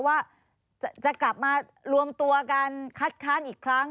ว่าจะกลับมารวมตัวกันคัดค้านอีกครั้ง